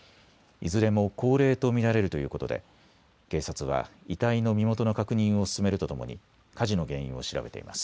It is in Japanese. いずれも高齢と見られるということで警察は遺体の身元の確認を進めるとともに火事の原因を調べています。